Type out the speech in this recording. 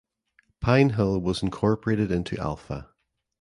Pine Hill was incorporated into Alpha.